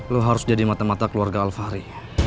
lo harus jadi mata mata keluarga alfari